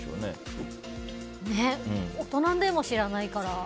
大人でも知らないから。